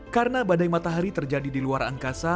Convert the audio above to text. karena badai matahari terjadi di luar angkasa